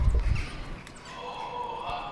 افغان پوځ په کرمان او یزد کې هم جنګونه کړي وو.